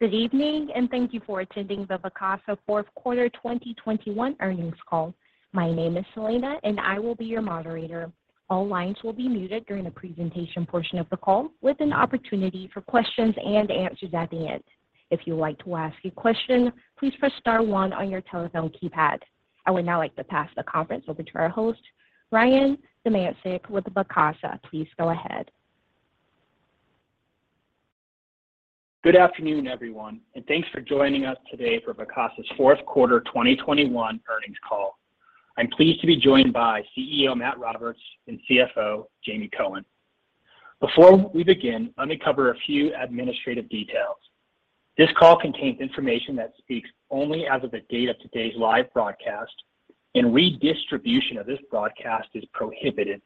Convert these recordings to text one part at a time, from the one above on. Good evening, and thank you for attending the Vacasa fourth quarter 2021 earnings call. My name is Selena, and I will be your moderator. All lines will be muted during the presentation portion of the call, with an opportunity for questions and answers at the end. If you would like to ask a question, please press star one on your telephone keypad. I would now like to pass the conference over to our host, Ryan Domyancic with Vacasa. Please go ahead. Good afternoon, everyone, and thanks for joining us today for Vacasa's fourth quarter 2021 earnings call. I'm pleased to be joined by CEO Matt Roberts and CFO Jamie Cohen. Before we begin, let me cover a few administrative details. This call contains information that speaks only as of the date of today's live broadcast, and redistribution of this broadcast is prohibited.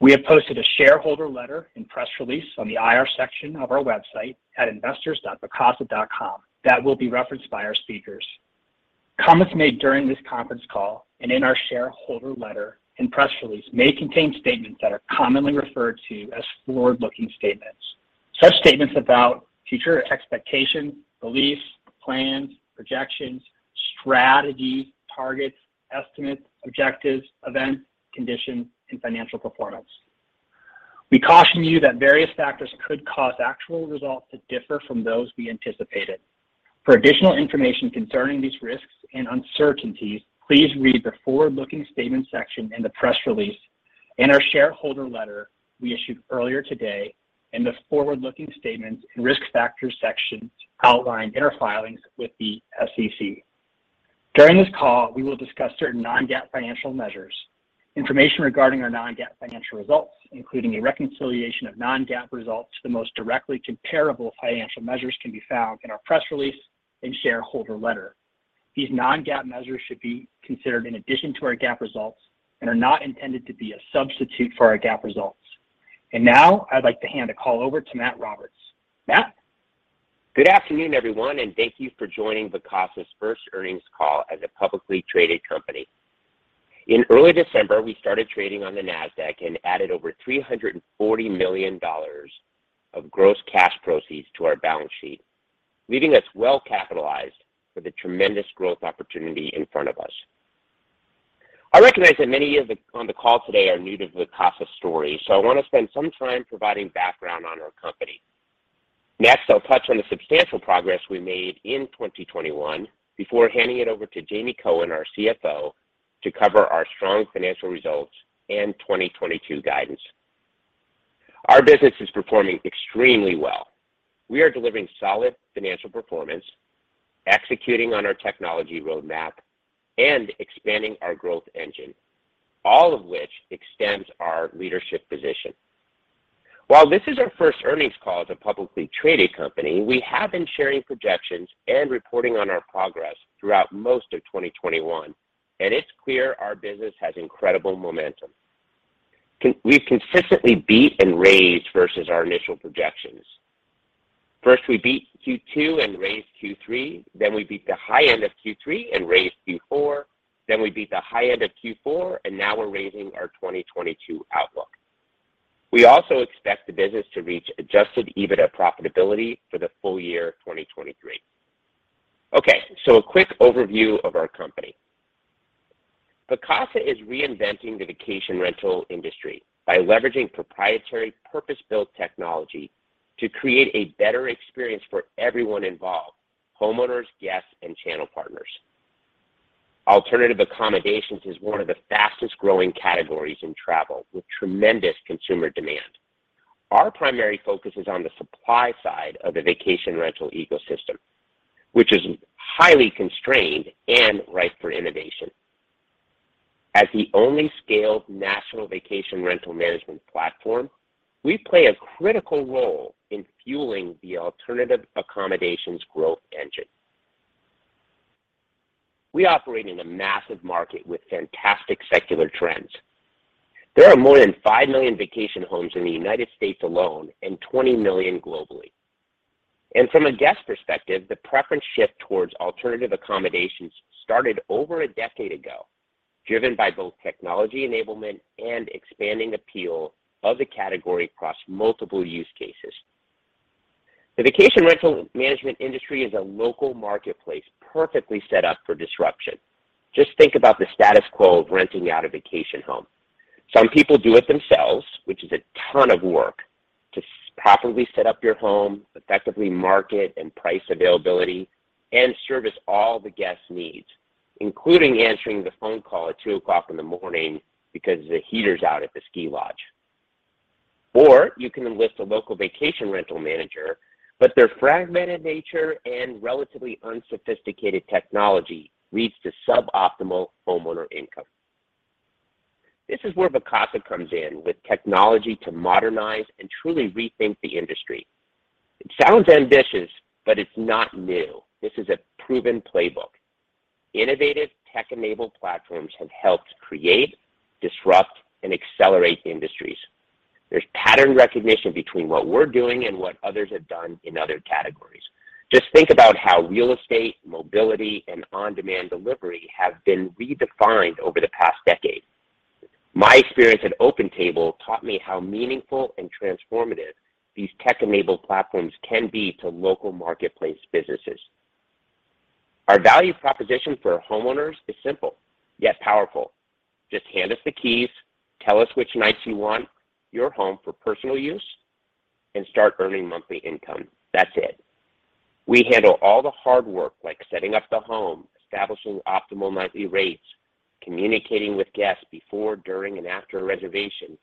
We have posted a shareholder letter and press release on the IR section of our website at investors.vacasa.com that will be referenced by our speakers. Comments made during this conference call and in our shareholder letter and press release may contain statements that are commonly referred to as forward-looking statements about future expectations, beliefs, plans, projections, strategies, targets, estimates, objectives, events, conditions, and financial performance. We caution you that various factors could cause actual results to differ from those we anticipated. For additional information concerning these risks and uncertainties, please read the Forward-Looking Statements section in the press release and our shareholder letter we issued earlier today, and the Forward-Looking Statements and Risk Factors sections outlined in our filings with the SEC. During this call, we will discuss certain non-GAAP financial measures. Information regarding our non-GAAP financial results, including a reconciliation of non-GAAP results to the most directly comparable financial measures can be found in our press release and shareholder letter. These non-GAAP measures should be considered in addition to our GAAP results and are not intended to be a substitute for our GAAP results. Now I'd like to hand the call over to Matt Roberts. Matt? Good afternoon, everyone, and thank you for joining Vacasa's first earnings call as a publicly traded company. In early December, we started trading on the Nasdaq and added over $340 million of gross cash proceeds to our balance sheet, leaving us well-capitalized for the tremendous growth opportunity in front of us. I recognize that many of you on the call today are new to Vacasa's story, so I want to spend some time providing background on our company. Next, I'll touch on the substantial progress we made in 2021 before handing it over to Jamie Cohen, our CFO, to cover our strong financial results and 2022 guidance. Our business is performing extremely well. We are delivering solid financial performance, executing on our technology roadmap, and expanding our growth engine, all of which extends our leadership position. While this is our first earnings call as a publicly traded company, we have been sharing projections and reporting on our progress throughout most of 2021, and it's clear our business has incredible momentum. We've consistently beat and raised versus our initial projections. First, we beat Q2 and raised Q3, then we beat the high end of Q3 and raised Q4, then we beat the high end of Q4, and now we're raising our 2022 outlook. We also expect the business to reach Adjusted EBITDA profitability for the full year 2023. Okay, so a quick overview of our company. Vacasa is reinventing the vacation rental industry by leveraging proprietary purpose-built technology to create a better experience for everyone involved, homeowners, guests, and channel partners. Alternative accommodations is one of the fastest-growing categories in travel with tremendous consumer demand. Our primary focus is on the supply side of the vacation rental ecosystem, which is highly constrained and ripe for innovation. As the only scaled national vacation rental management platform, we play a critical role in fueling the alternative accommodations growth engine. We operate in a massive market with fantastic secular trends. There are more than 5 million vacation homes in the United States alone and 20 million globally. From a guest perspective, the preference shift towards alternative accommodations started over a decade ago, driven by both technology enablement and expanding appeal of the category across multiple use cases. The vacation rental management industry is a local marketplace perfectly set up for disruption. Just think about the status quo of renting out a vacation home. Some people do it themselves, which is a ton of work to properly set up your home, effectively market and price availability, and service all the guests' needs, including answering the phone call at 2:00 A.M. because the heater's out at the ski lodge. You can enlist a local vacation rental manager, but their fragmented nature and relatively unsophisticated technology leads to suboptimal homeowner income. This is where Vacasa comes in with technology to modernize and truly rethink the industry. It sounds ambitious, but it's not new. This is a proven playbook. Innovative tech-enabled platforms have helped create, disrupt, and accelerate industries. There's pattern recognition between what we're doing and what others have done in other categories. Just think about how real estate, mobility, and on-demand delivery have been redefined over the past decade. My experience at OpenTable taught me how meaningful and transformative these tech-enabled platforms can be to local marketplace businesses. Our value proposition for homeowners is simple yet powerful. Just hand us the keys, tell us which nights you want your home for personal use, and start earning monthly income. That's it. We handle all the hard work like setting up the home, establishing optimal nightly rates, communicating with guests before, during, and after a reservation,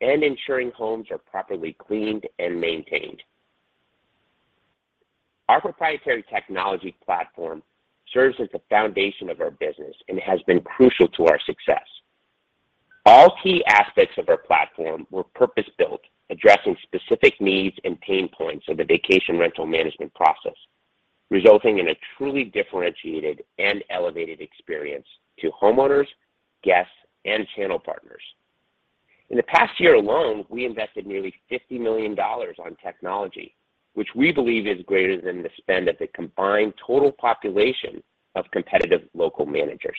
and ensuring homes are properly cleaned and maintained. Our proprietary technology platform serves as the foundation of our business and has been crucial to our success. All key aspects of our platform were purpose-built, addressing specific needs and pain points of the vacation rental management process, resulting in a truly differentiated and elevated experience to homeowners, guests, and channel partners. In the past year alone, we invested nearly $50 million on technology, which we believe is greater than the spend of the combined total population of competitive local managers.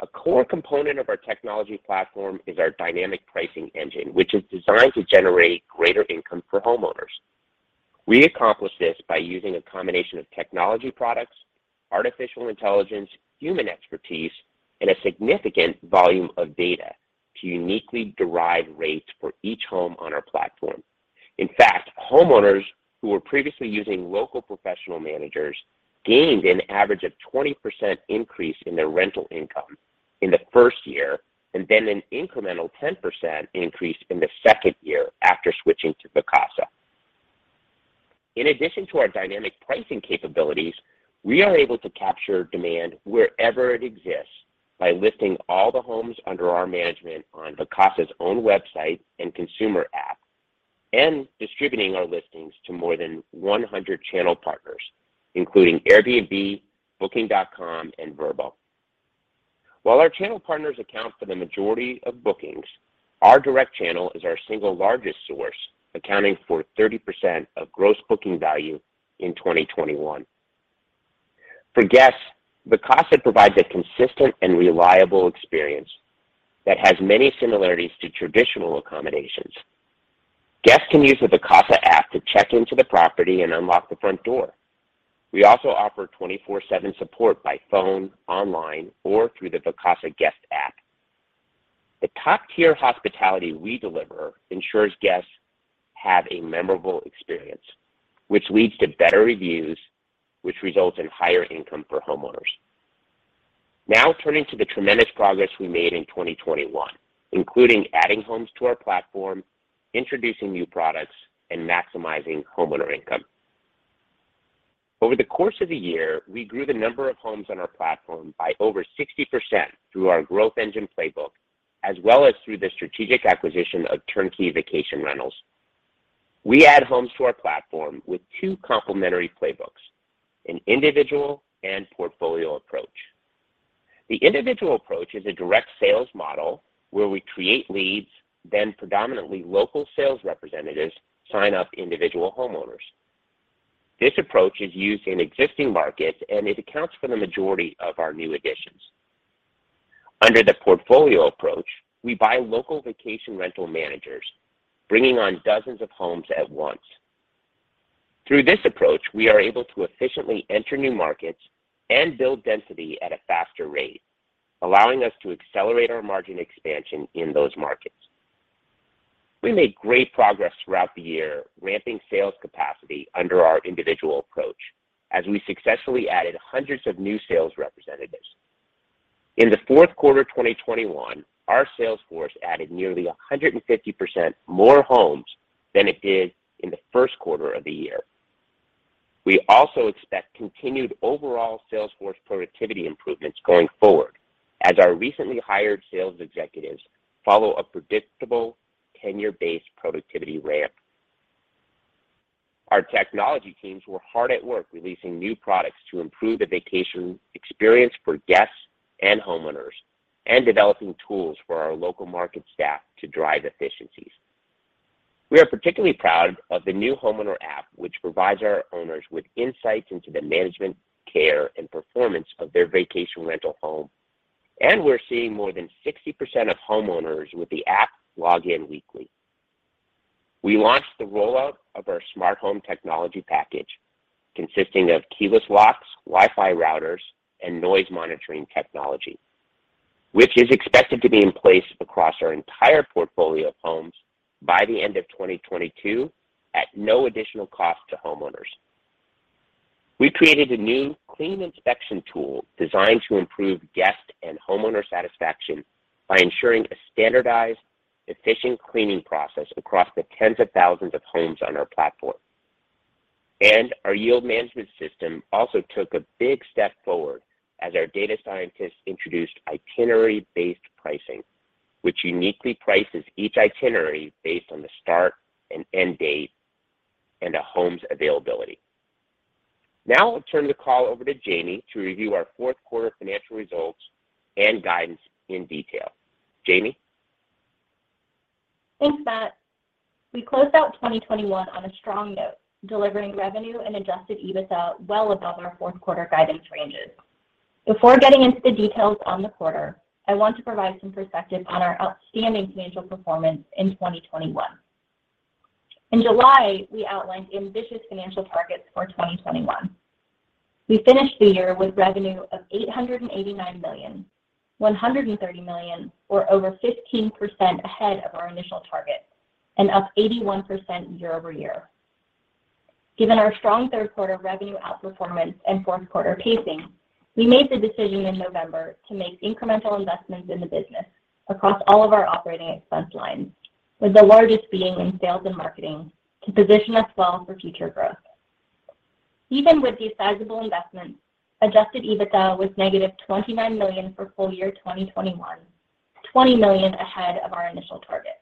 A core component of our technology platform is our dynamic pricing engine, which is designed to generate greater income for homeowners. We accomplish this by using a combination of technology products, artificial intelligence, human expertise, and a significant volume of data to uniquely derive rates for each home on our platform. In fact, homeowners who were previously using local professional managers gained an average of 20% increase in their rental income in the first year, and then an incremental 10% increase in the second year after switching to Vacasa. In addition to our dynamic pricing capabilities, we are able to capture demand wherever it exists by listing all the homes under our management on Vacasa's own website and consumer app and distributing our listings to more than 100 channel partners, including Airbnb, Booking.com, and Vrbo. While our channel partners account for the majority of bookings, our direct channel is our single largest source, accounting for 30% of gross booking value in 2021. For guests, Vacasa provides a consistent and reliable experience that has many similarities to traditional accommodations. Guests can use the Vacasa app to check into the property and unlock the front door. We also offer 24/7 support by phone, online, or through the Vacasa guest app. The top-tier hospitality we deliver ensures guests have a memorable experience, which leads to better reviews, which results in higher income for homeowners. Now turning to the tremendous progress we made in 2021, including adding homes to our platform, introducing new products, and maximizing homeowner income. Over the course of the year, we grew the number of homes on our platform by over 60% through our growth engine playbook, as well as through the strategic acquisition of TurnKey Vacation Rentals. We add homes to our platform with two complementary playbooks, an individual and portfolio approach. The individual approach is a direct sales model where we create leads, then predominantly local sales representatives sign up individual homeowners. This approach is used in existing markets, and it accounts for the majority of our new additions. Under the portfolio approach, we buy local vacation rental managers, bringing on dozens of homes at once. Through this approach, we are able to efficiently enter new markets and build density at a faster rate, allowing us to accelerate our margin expansion in those markets. We made great progress throughout the year ramping sales capacity under our individual approach as we successfully added hundreds of new sales representatives. In the fourth quarter 2021, our sales force added nearly 150% more homes than it did in the first quarter of the year. We also expect continued overall sales force productivity improvements going forward as our recently hired sales executives follow a predictable tenure-based productivity ramp. Our technology teams were hard at work releasing new products to improve the vacation experience for guests and homeowners and developing tools for our local market staff to drive efficiencies. We are particularly proud of the new homeowner app, which provides our owners with insights into the management, care, and performance of their vacation rental home, and we're seeing more than 60% of homeowners with the app log in weekly. We launched the rollout of our smart home technology package consisting of keyless locks, Wi-Fi routers, and noise monitoring technology, which is expected to be in place across our entire portfolio of homes by the end of 2022 at no additional cost to homeowners. We created a new clean inspection tool designed to improve guest and homeowner satisfaction by ensuring a standardized, efficient cleaning process across the tens of thousands of homes on our platform. Our yield management system also took a big step forward as our data scientists introduced itinerary-based pricing, which uniquely prices each itinerary based on the start and end date and a home's availability. Now I'll turn the call over to Jamie to review our fourth quarter financial results and guidance in detail. Jamie? Thanks, Matt. We closed out 2021 on a strong note, delivering revenue and Adjusted EBITDA well above our fourth quarter guidance ranges. Before getting into the details on the quarter, I want to provide some perspective on our outstanding financial performance in 2021. In July, we outlined ambitious financial targets for 2021. We finished the year with revenue of $889 million. $130 million, or over 15% ahead of our initial target, and up 81% year-over-year. Given our strong third quarter revenue outperformance and fourth quarter pacing, we made the decision in November to make incremental investments in the business across all of our operating expense lines, with the largest being in sales and marketing to position us well for future growth. Even with these sizable investments, Adjusted EBITDA was -$29 million for full year 2021, $20 million ahead of our initial target.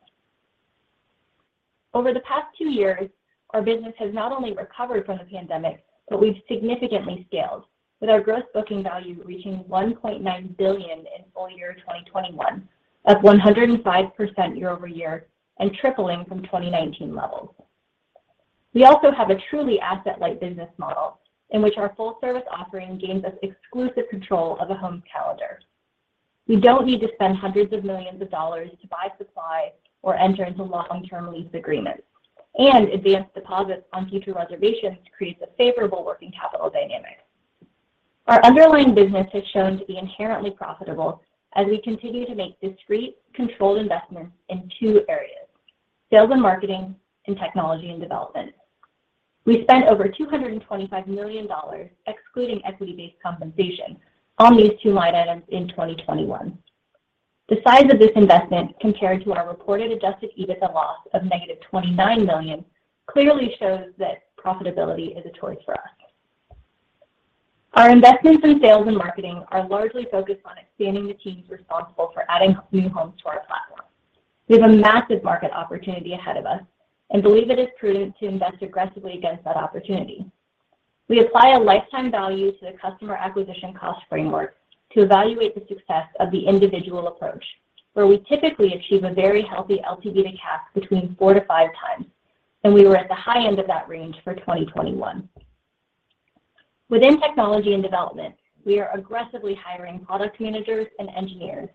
Over the past two years, our business has not only recovered from the pandemic, but we've significantly scaled, with our Gross Booking Value reaching $1.9 billion in full year 2021, up 105% year-over-year and tripling from 2019 levels. We also have a truly asset-light business model in which our full service offering gains us exclusive control of a home's calendar. We don't need to spend hundreds of millions of dollars to buy supply or enter into long-term lease agreements, and advanced deposits on future reservations creates a favorable working capital dynamic. Our underlying business has shown to be inherently profitable as we continue to make discrete, controlled investments in two areas, sales and marketing and technology and development. We spent over $225 million, excluding equity-based compensation, on these two line items in 2021. The size of this investment compared to our reported adjusted EBITDA loss of negative $29 million clearly shows that profitability is a choice for us. Our investments in sales and marketing are largely focused on expanding the teams responsible for adding new homes to our platform. We have a massive market opportunity ahead of us and believe it is prudent to invest aggressively against that opportunity. We apply a lifetime value to the customer acquisition cost framework to evaluate the success of the individual approach, where we typically achieve a very healthy LTV to CAC between four to five times, and we were at the high end of that range for 2021. Within technology and development, we are aggressively hiring product managers and engineers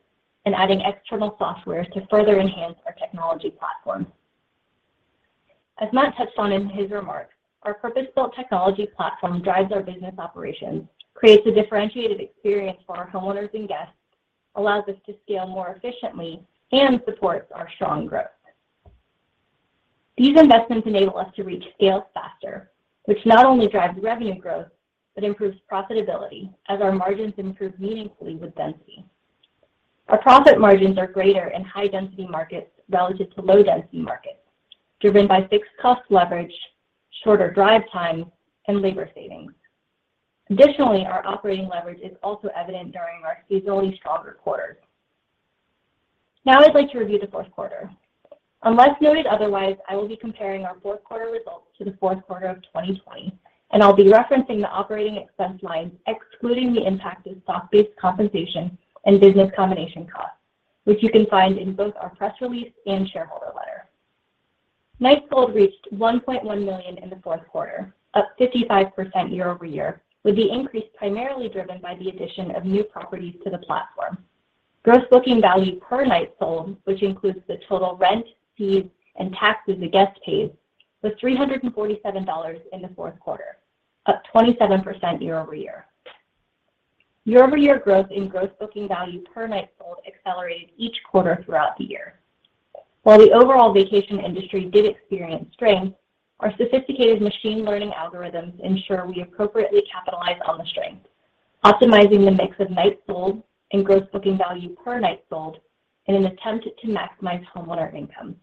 and adding external software to further enhance our technology platform. As Matt touched on in his remarks, our purpose-built technology platform drives our business operations, creates a differentiated experience for our homeowners and guests, allows us to scale more efficiently, and supports our strong growth. These investments enable us to reach scale faster, which not only drives revenue growth, but improves profitability as our margins improve meaningfully with density. Our profit margins are greater in high-density markets relative to low-density markets, driven by fixed cost leverage, shorter drive times, and labor savings. Additionally, our operating leverage is also evident during our seasonally stronger quarters. Now I'd like to review the fourth quarter. Unless noted otherwise, I will be comparing our fourth quarter results to the fourth quarter of 2020, and I'll be referencing the operating expense lines, excluding the impact of stock-based compensation and business combination costs, which you can find in both our press release and shareholder letter. Nights sold reached 1.1 million in the fourth quarter, up 55% year-over-year, with the increase primarily driven by the addition of new properties to the platform. Gross Booking Value per Night Sold, which includes the total rent, fees, and taxes a guest pays, was $347 in the fourth quarter, up 27% year-over-year. Year-over-year growth in Gross Booking Value per Night Sold accelerated each quarter throughout the year. While the overall vacation industry did experience strength, our sophisticated machine learning algorithms ensure we appropriately capitalize on the strength, optimizing the mix of nights sold and Gross Booking Value per Night Sold in an attempt to maximize homeowner income.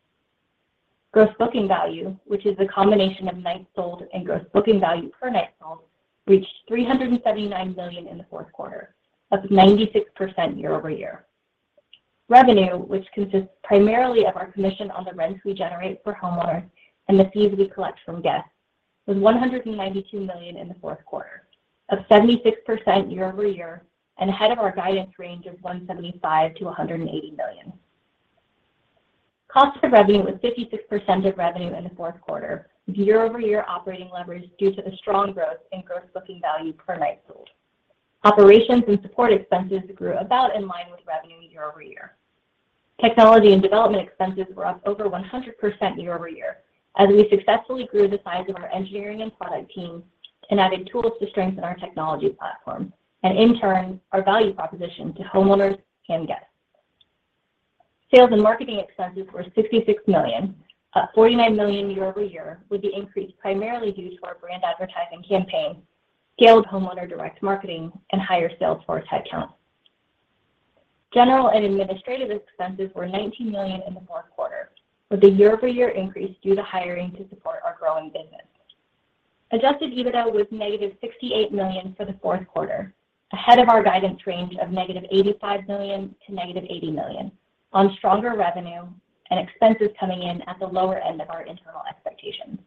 Gross Booking Value, which is the combination of nights sold and Gross Booking Value per Night Sold, reached $379 million in the fourth quarter, up 96% year-over-year. Revenue, which consists primarily of our commission on the rents we generate for homeowners and the fees we collect from guests, was $192 million in the fourth quarter, up 76% year-over-year and ahead of our guidance range of $175 million-$180 million. Cost of revenue was 56% of revenue in the fourth quarter, with year-over-year operating leverage due to the strong growth in gross booking value per night sold. Operations and support expenses grew about in line with revenue year-over-year. Technology and development expenses were up over 100% year-over-year as we successfully grew the size of our engineering and product teams and added tools to strengthen our technology platform, and in turn, our value proposition to homeowners and guests. Sales and marketing expenses were $66 million, up $49 million year-over-year, with the increase primarily due to our brand advertising campaign, scaled homeowner direct marketing, and higher sales force headcount. General and administrative expenses were $19 million in the fourth quarter, with the year-over-year increase due to hiring to support our growing business. Adjusted EBITDA was -$68 million for the fourth quarter, ahead of our guidance range of -$85 million to -$80 million on stronger revenue and expenses coming in at the lower end of our internal expectations.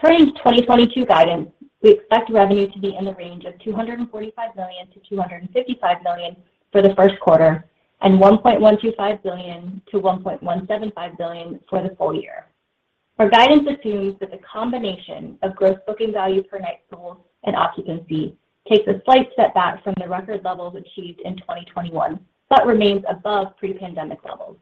Turning to 2022 guidance, we expect revenue to be in the range of $245 million-$255 million for the first quarter, and $1.125 billion-$1.175 billion for the full year. Our guidance assumes that the combination of Gross Booking Value per Night Sold and occupancy takes a slight step back from the record levels achieved in 2021, but remains above pre-pandemic levels.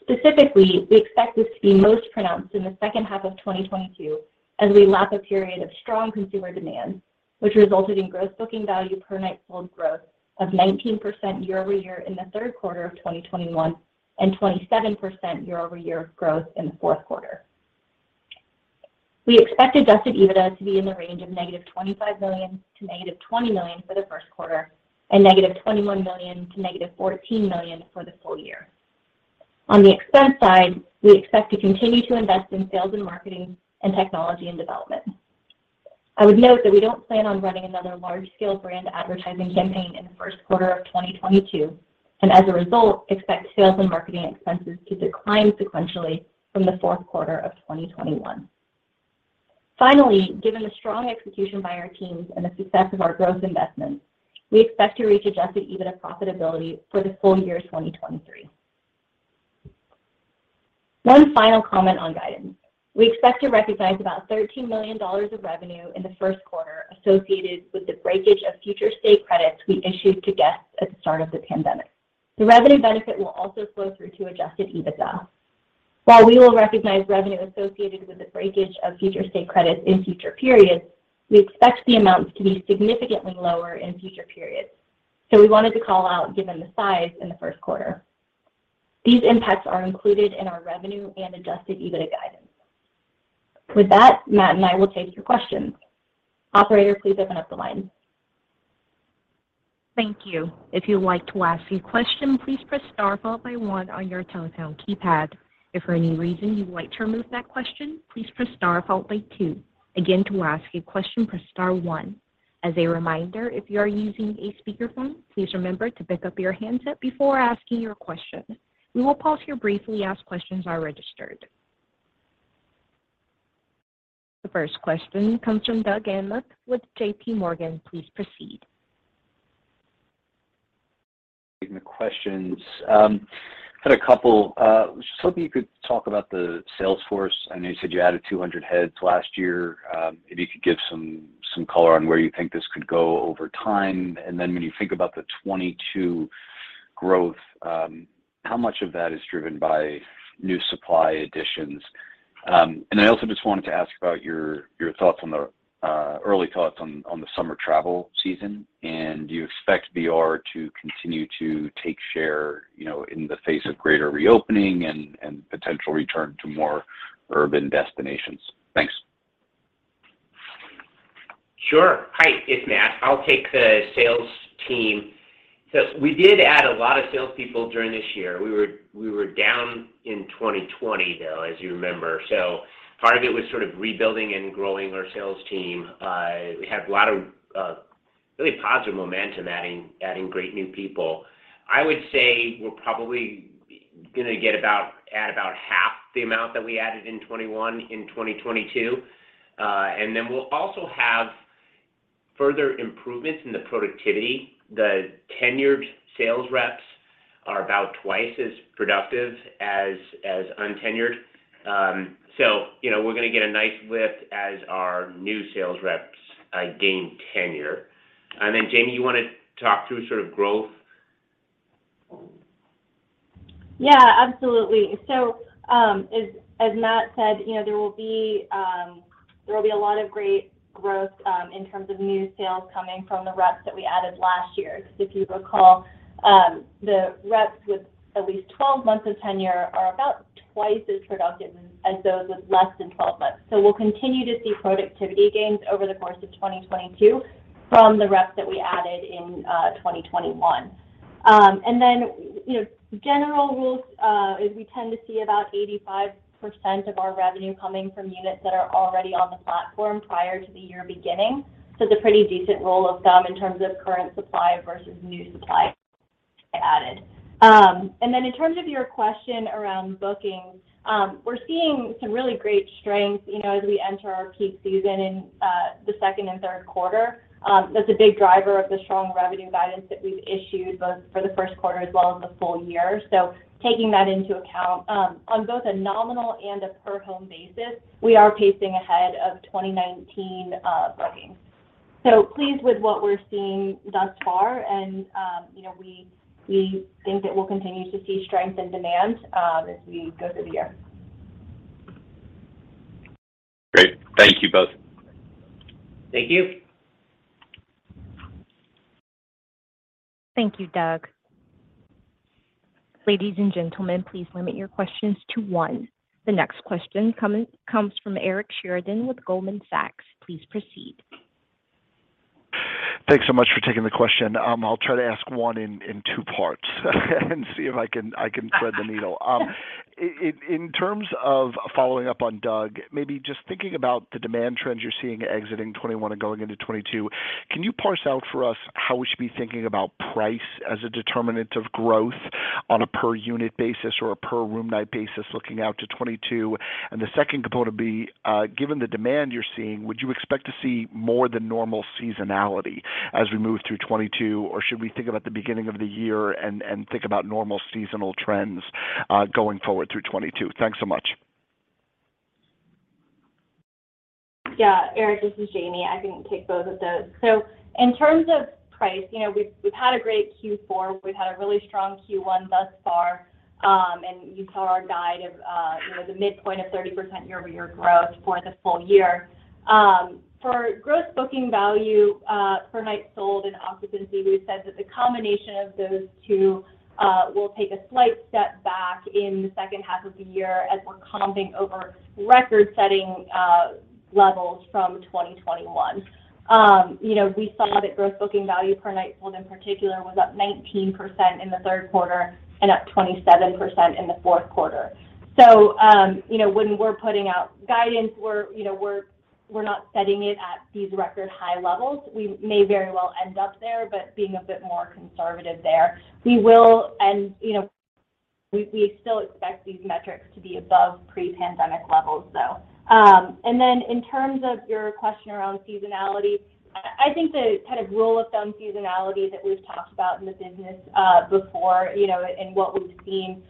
Specifically, we expect this to be most pronounced in the second half of 2022 as we lap a period of strong consumer demand, which resulted in Gross Booking Value per Night Sold growth of 19% year-over-year in the third quarter of 2021, and 27% year-over-year growth in the fourth quarter. We expect Adjusted EBITDA to be in the range of -$25 million to -$20 million for the first quarter, and -$21 million to -$14 million for the full year. On the expense side, we expect to continue to invest in sales and marketing and technology and development. I would note that we don't plan on running another large-scale brand advertising campaign in the first quarter of 2022, and as a result, expect sales and marketing expenses to decline sequentially from the fourth quarter of 2021. Finally, given the strong execution by our teams and the success of our growth investments, we expect to reach Adjusted EBITDA profitability for the full year 2023. One final comment on guidance. We expect to recognize about $13 million of revenue in the first quarter associated with the breakage of future stay credits we issued to guests at the start of the pandemic. The revenue benefit will also flow through to Adjusted EBITDA. While we will recognize revenue associated with the breakage of future stay credits in future periods, we expect the amounts to be significantly lower in future periods. We wanted to call out given the size in the first quarter. These impacts are included in our revenue and Adjusted EBITDA guidance. With that, Matt and I will take your questions. Operator, please open up the line. Thank you. If you'd like to ask a question, please press star followed by one on your telephone keypad. If for any reason you'd like to remove that question, please press star followed by two. Again, to ask a question, press star one. As a reminder, if you are using a speakerphone, please remember to pick up your handset before asking your question. We will pause here briefly as questions are registered. The first question comes from Doug Anmuth with JPMorgan. Please proceed. Taking the questions. Had a couple. Was just hoping you could talk about the Salesforce. I know you said you added 200 heads last year. If you could give some color on where you think this could go over time. When you think about the 2022 growth, how much of that is driven by new supply additions? I also just wanted to ask about your early thoughts on the summer travel season, and do you expect VR to continue to take share, you know, in the face of greater reopening and potential return to more urban destinations? Thanks. Sure. Hi, it's Matt. I'll take the sales team. We did add a lot of salespeople during this year. We were down in 2020, though, as you remember. Part of it was sort of rebuilding and growing our sales team. We had a lot of really positive momentum adding great new people. I would say we're probably gonna add about half the amount that we added in 2021 in 2022. And then we'll also have further improvements in the productivity. The tenured sales reps are about twice as productive as untenured. You know, we're gonna get a nice lift as our new sales reps gain tenure. Jamie, you wanna talk through sort of growth? Yeah, absolutely. As Matt said, you know, there will be a lot of great growth in terms of new sales coming from the reps that we added last year. Because if you recall, the reps with at least 12 months of tenure are about twice as productive as those with less than 12 months. We'll continue to see productivity gains over the course of 2022 from the reps that we added in 2021. You know, general rules is we tend to see about 85% of our revenue coming from units that are already on the platform prior to the year beginning. It's a pretty decent rule of thumb in terms of current supply versus new supply added. In terms of your question around bookings, we're seeing some really great strength, you know, as we enter our peak season in the second and third quarter. That's a big driver of the strong revenue guidance that we've issued both for the first quarter as well as the full year. Taking that into account, on both a nominal and a per home basis, we are pacing ahead of 2019 bookings. Pleased with what we're seeing thus far and, you know, we think that we'll continue to see strength and demand as we go through the year. Great. Thank you both. Thank you. Thank you, Doug. Ladies and gentlemen, please limit your questions to one. The next question comes from Eric Sheridan with Goldman Sachs. Please proceed. Thanks so much for taking the question. I'll try to ask one in two parts and see if I can thread the needle. In terms of following up on Doug, maybe just thinking about the demand trends you're seeing exiting 2021 and going into 2022, can you parse out for us how we should be thinking about price as a determinant of growth? On a per unit basis or a per room night basis looking out to 2022. The second component would be, given the demand you're seeing, would you expect to see more than normal seasonality as we move through 2022? Or should we think about the beginning of the year and think about normal seasonal trends, going forward through 2022? Thanks so much. Yeah. Eric, this is Jamie. I can take both of those. In terms of price, you know, we've had a great Q4. We've had a really strong Q1 thus far, and you saw our guide of, you know, the midpoint of 30% year-over-year growth for the full year. For Gross Booking Value, for nights sold and occupancy, we've said that the combination of those two will take a slight step back in the second half of the year as we're comping over record-setting levels from 2021. You know, we saw that Gross Booking Value per Night Sold in particular was up 19% in the third quarter and up 27% in the fourth quarter. When we're putting out guidance, you know, we're not setting it at these record high levels. We may very well end up there, but being a bit more conservative there. We will, you know, still expect these metrics to be above pre-pandemic levels, though. In terms of your question around seasonality, I think the kind of rule of thumb seasonality that we've talked about in the business before, you know, and what we've seen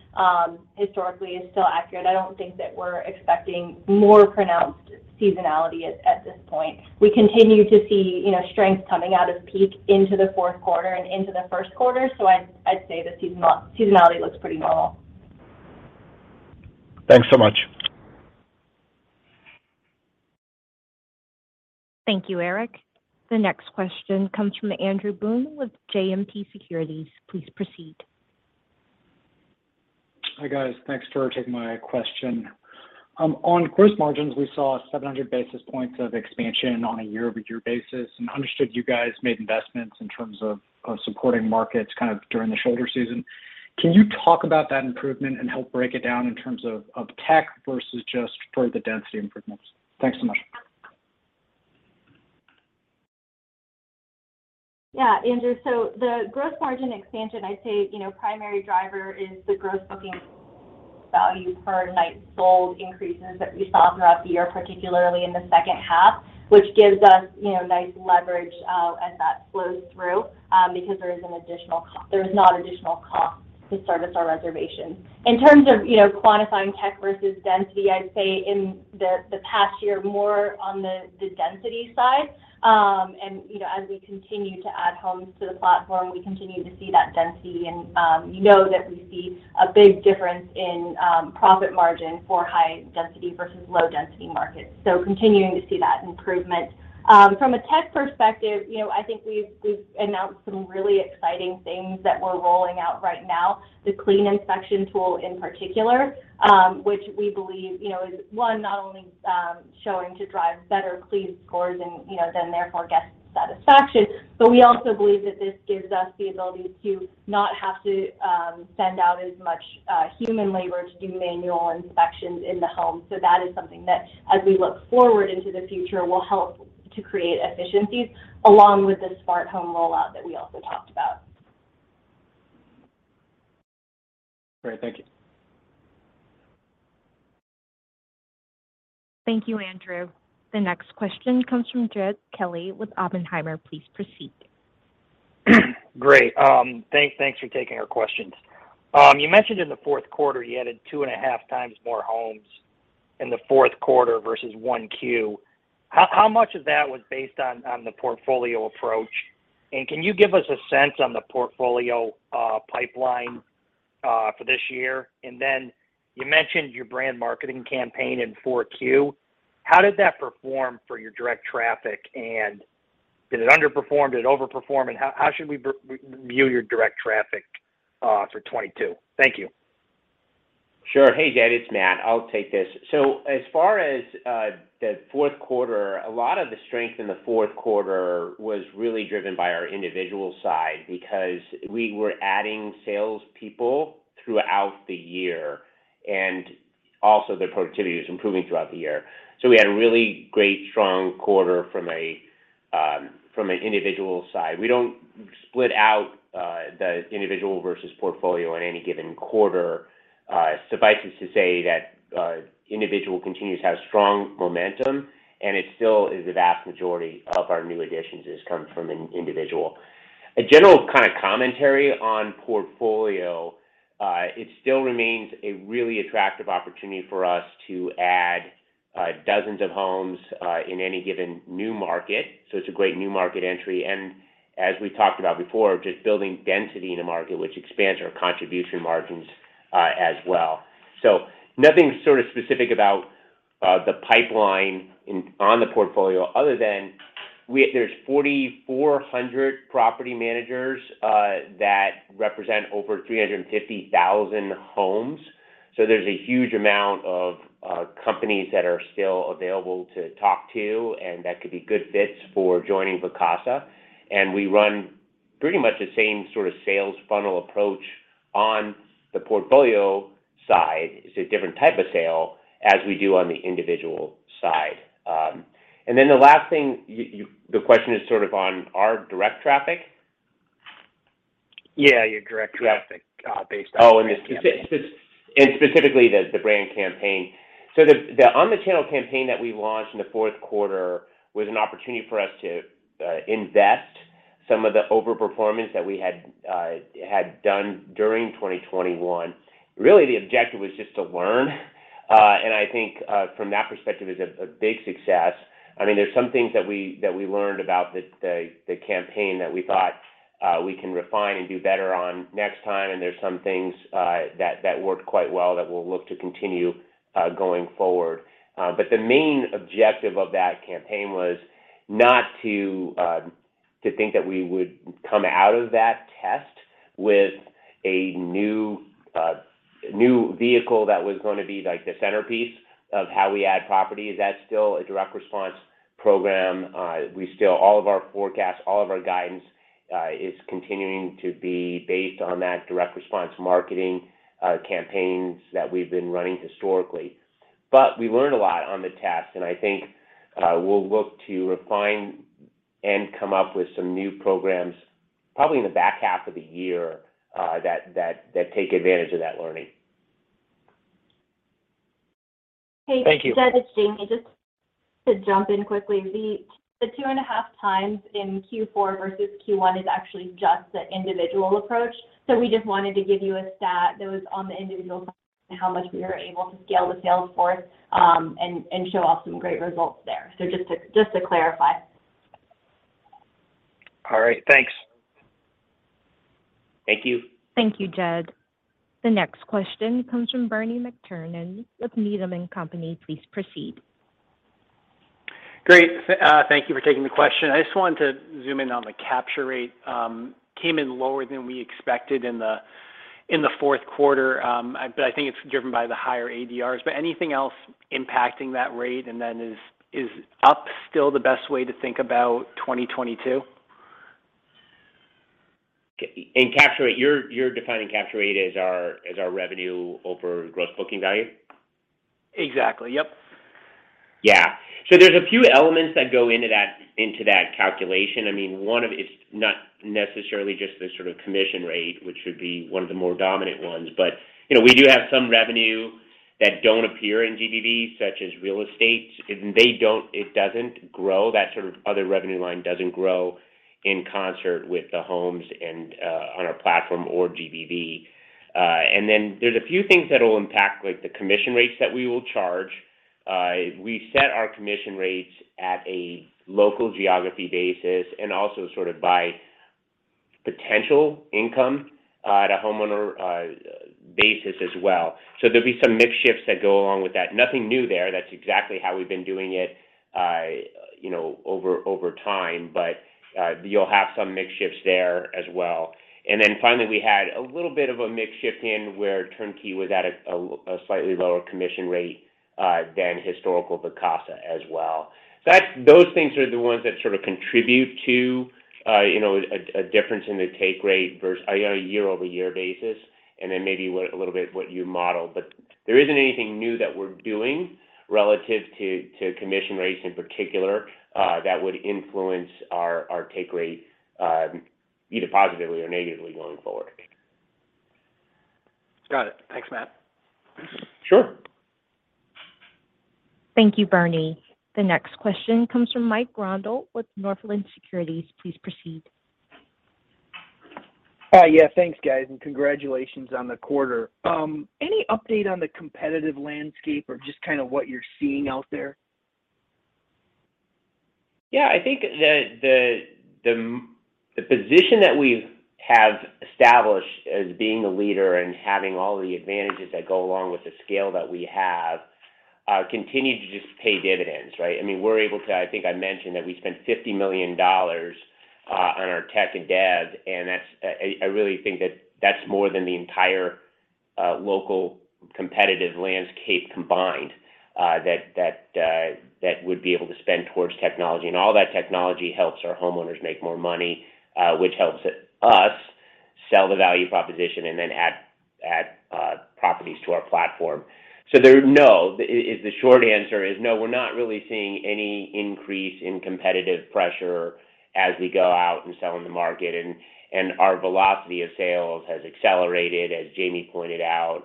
historically is still accurate. I don't think that we're expecting more pronounced seasonality at this point. We continue to see, you know, strength coming out of peak into the fourth quarter and into the first quarter, so I'd say the seasonality looks pretty normal. Thanks so much. Thank you, Eric. The next question comes from Andrew Boone with JMP Securities. Please proceed. Hi, guys. Thanks for taking my question. On gross margins, we saw 700 basis points of expansion on a year-over-year basis and understood you guys made investments in terms of supporting markets kind of during the shoulder season. Can you talk about that improvement and help break it down in terms of tech versus just further density improvements? Thanks so much. Yeah. Andrew, so the gross margin expansion, I'd say, you know, primary driver is the gross booking value per night sold increases that we saw throughout the year, particularly in the second half, which gives us, you know, nice leverage, as that flows through, because there is not additional cost to service our reservations. In terms of, you know, quantifying tech versus density, I'd say in the past year, more on the density side. You know, as we continue to add homes to the platform, we continue to see that density. You know that we see a big difference in profit margin for high density versus low density markets. Continuing to see that improvement. From a tech perspective, you know, I think we've announced some really exciting things that we're rolling out right now. The clean inspection tool in particular, which we believe, you know, is one, not only, showing to drive better clean scores and, you know, then therefore guest satisfaction, but we also believe that this gives us the ability to not have to send out as much human labor to do manual inspections in the home. That is something that as we look forward into the future, will help to create efficiencies along with the smart home rollout that we also talked about. Great. Thank you. Thank you, Andrew. The next question comes from Jed Kelly with Oppenheimer. Please proceed. Great. Thanks for taking our questions. You mentioned in the fourth quarter, you added two and a half times more homes in the fourth quarter versus one Q. How much of that was based on the portfolio approach? Can you give us a sense on the portfolio pipeline for this year? Then you mentioned your brand marketing campaign in four Q. How did that perform for your direct traffic, and did it underperform? Did it overperform? How should we view your direct traffic for 2022? Thank you. Sure. Hey, Jed, it's Matt. I'll take this. As far as the fourth quarter, a lot of the strength in the fourth quarter was really driven by our individual side because we were adding sales people throughout the year, and also their productivity was improving throughout the year. We had a really great strong quarter from an individual side. We don't split out the individual versus portfolio in any given quarter. Suffice it to say that individual continues to have strong momentum, and it still is a vast majority of our new additions has come from an individual. A general kind of commentary on portfolio, it still remains a really attractive opportunity for us to add dozens of homes in any given new market, so it's a great new market entry. As we talked about before, just building density in a market which expands our contribution margin, as well. Nothing sort of specific about the pipeline on the portfolio other than there's 4,400 property managers that represent over 350,000 homes. There's a huge amount of companies that are still available to talk to, and that could be good fits for joining Vacasa. We run pretty much the same sort of sales funnel approach on the portfolio side, it's a different type of sale, as we do on the individual side. Then the last thing you the question is sort of on our direct traffic? Yeah, your direct traffic based on the brand campaign. And specifically the brand campaign. The omnichannel campaign that we launched in the fourth quarter was an opportunity for us to invest some of the over-performance that we had done during 2021. Really, the objective was just to learn, and I think from that perspective it is a big success. I mean, there's some things that we learned about the campaign that we thought we can refine and do better on next time, and there's some things that worked quite well that we'll look to continue going forward. The main objective of that campaign was not to think that we would come out of that test with a new vehicle that was gonna be, like, the centerpiece of how we add properties. That's still a direct response program. All of our forecasts, all of our guidance, is continuing to be based on that direct response marketing campaigns that we've been running historically. But we learned a lot on the test, and I think, we'll look to refine and come up with some new programs, probably in the back half of the year, that take advantage of that learning. Thank you. Hey, Jed, it's Jamie. Just to jump in quickly. The 2.5x in Q4 versus Q1 is actually just the individual approach, so we just wanted to give you a stat that was on the individual side and how much we are able to scale the sales force and show off some great results there. Just to clarify. All right. Thanks. Thank you. Thank you, Jed. The next question comes from Bernie McTernan with Needham & Company. Please proceed. Great. Thank you for taking the question. I just wanted to zoom in on the capture rate. It came in lower than we expected in the fourth quarter. I think it's driven by the higher ADR. Anything else impacting that rate? Is up still the best way to think about 2022? Okay. In capture rate, you're defining capture rate as our revenue over Gross Booking Value? Exactly. Yep. Yeah. There's a few elements that go into that calculation. I mean, one of it's not necessarily just the sort of commission rate, which would be one of the more dominant ones. You know, we do have some revenue that don't appear in GBV, such as real estate. It doesn't grow. That sort of other revenue line doesn't grow in concert with the homes and on our platform or GBV. Then there's a few things that'll impact, like the commission rates that we will charge. We set our commission rates at a local geography basis and also sort of by potential income at a homeowner basis as well. There'll be some mix shifts that go along with that. Nothing new there. That's exactly how we've been doing it, you know, over time. You'll have some mix shifts there as well. Then finally, we had a little bit of a mix shift in where TurnKey was at a slightly lower commission rate than historical Vacasa as well. Those things are the ones that sort of contribute to, you know, a difference in the take rate on a year-over-year basis, and then maybe a little bit what you modeled. There isn't anything new that we're doing relative to commission rates in particular that would influence our take rate either positively or negatively going forward. Got it. Thanks, Matt. Sure. Thank you, Bernie. The next question comes from Mike Grondahl with Northland Securities. Please proceed. Yeah. Thanks, guys, and congratulations on the quarter. Any update on the competitive landscape or just kind of what you're seeing out there? Yeah. I think the position that we have established as being a leader and having all the advantages that go along with the scale that we have continues to just pay dividends, right? I mean, we're able to. I think I mentioned that we spent $50 million on our tech and dev, and that's I really think that that's more than the entire local competitive landscape combined that would be able to spend towards technology. All that technology helps our homeowners make more money, which helps us sell the value proposition and then add properties to our platform. So there, no. The short answer is no, we're not really seeing any increase in competitive pressure as we go out and sell in the market. Our velocity of sales has accelerated, as Jamie pointed out,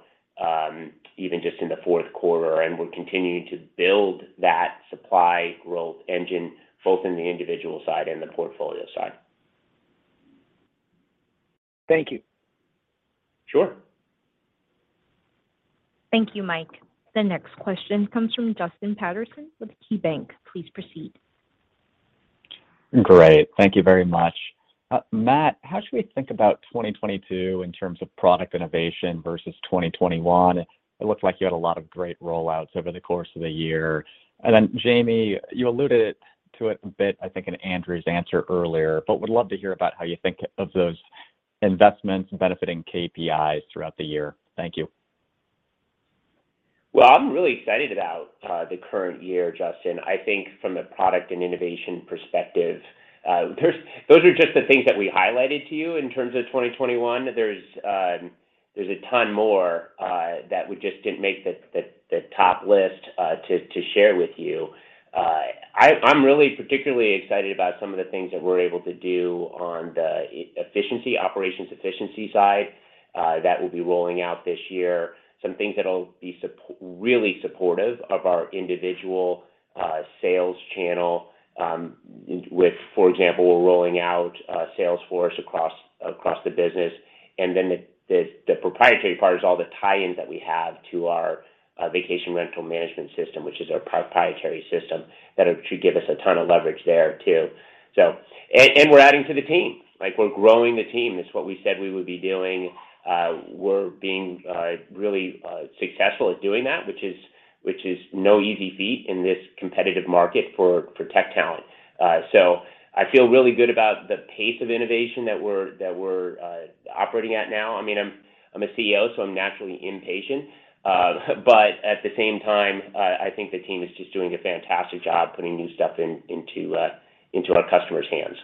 even just in the fourth quarter. We're continuing to build that supply growth engine, both in the individual side and the portfolio side. Thank you. Sure. Thank you, Mike. The next question comes from Justin Patterson with KeyBanc. Please proceed. Great. Thank you very much. Matt, how should we think about 2022 in terms of product innovation versus 2021? It looks like you had a lot of great rollouts over the course of the year. Jamie, you alluded to it a bit, I think, in Andrew's answer earlier, but would love to hear about how you think of those investments benefiting KPIs throughout the year. Thank you. Well, I'm really excited about the current year, Justin. I think from a product and innovation perspective, those are just the things that we highlighted to you in terms of 2021. There's a ton more that we just didn't make the top list to share with you. I'm really particularly excited about some of the things that we're able to do on the efficiency, operations efficiency side that we'll be rolling out this year. Some things that'll be really supportive of our individual sales channel with, for example, we're rolling out Salesforce across the business. The proprietary part is all the tie-ins that we have to our vacation rental management system, which is our proprietary system that should give us a ton of leverage there too. We're adding to the team. Like, we're growing the team. That's what we said we would be doing. We're being really successful at doing that, which is no easy feat in this competitive market for tech talent. I feel really good about the pace of innovation that we're operating at now. I mean, I'm a CEO, so I'm naturally impatient. At the same time, I think the team is just doing a fantastic job putting new stuff into our customers' hands.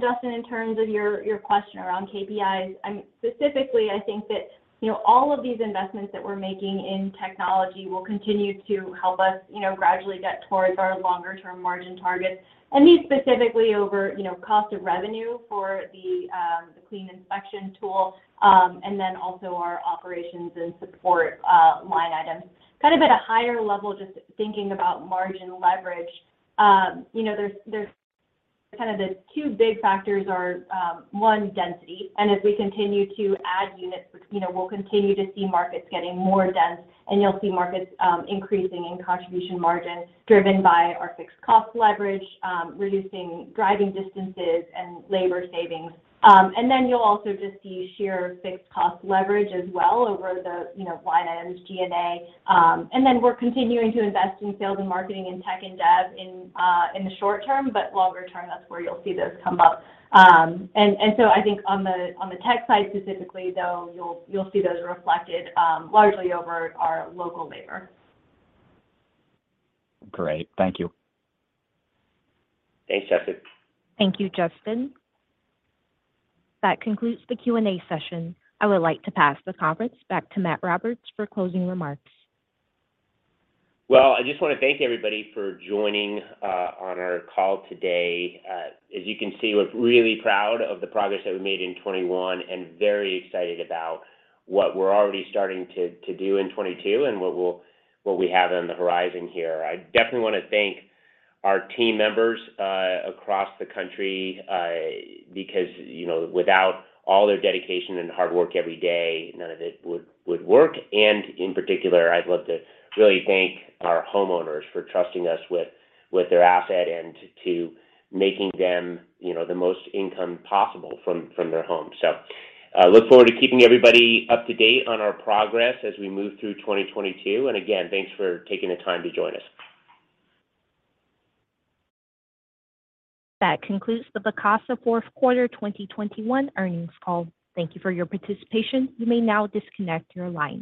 Justin, in terms of your question around KPIs, I mean, specifically, I think that, you know, all of these investments that we're making in technology will continue to help us, you know, gradually get towards our longer term margin targets. I mean, specifically over cost of revenue for the clean inspection tool, and then also our operations and support line items. Kind of at a higher level, just thinking about margin leverage, you know, there's. Kind of the two big factors are, one, density, and as we continue to add units, you know, we'll continue to see markets getting more dense, and you'll see markets increasing in contribution margin driven by our fixed cost leverage, reducing driving distances and labor savings. You'll also just see sheer fixed cost leverage as well over the, you know, line items, G&A. We're continuing to invest in sales and marketing and tech and dev in the short term, but longer term, that's where you'll see those come up. I think on the tech side specifically, though, you'll see those reflected largely over our local labor. Great. Thank you. Thanks, Justin. Thank you, Justin. That concludes the Q&A session. I would like to pass the conference back to Matt Roberts for closing remarks. Well, I just wanna thank everybody for joining on our call today. As you can see, we're really proud of the progress that we made in 2021 and very excited about what we're already starting to do in 2022 and what we have on the horizon here. I definitely want to thank our team members across the country because, you know, without all their dedication and hard work every day, none of it would work. In particular, I'd love to really thank our homeowners for trusting us with their asset and to making them, you know, the most income possible from their home. Look forward to keeping everybody up to date on our progress as we move through 2022. Again, thanks for taking the time to join us. That concludes the Vacasa fourth quarter 2021 earnings call. Thank you for your participation. You may now disconnect your lines.